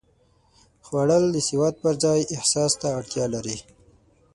خوړل د سواد پر ځای احساس ته اړتیا لري